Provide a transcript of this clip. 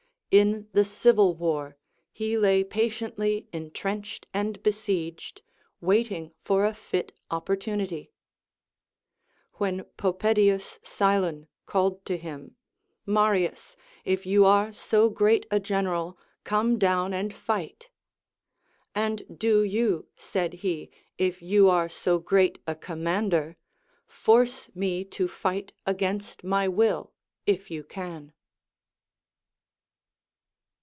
In the civil war, he lay patiently entrenched and besieged, waiting for a fit opportunity ; when Popedius Silon called to him, Marius, if you are so great a general come down and fight. And do you, said he, if you are so great a commander, force me to fight against my will, if you can.